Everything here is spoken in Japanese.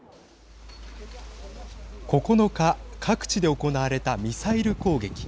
９日各地で行われたミサイル攻撃。